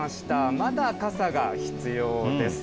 まだ傘が必要です。